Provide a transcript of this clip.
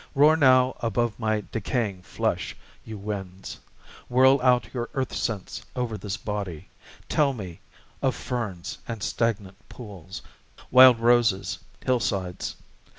Roar now above my decaying flesh, you winds, Whirl out your earth scents over this body, tell me Of ferns and stagnant pools, wild roses, hillsides!